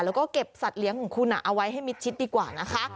แล้วก็เก็บสัตว์เลี้ยงของคุณเอาไว้ให้มิดชิดดีกว่านะคะ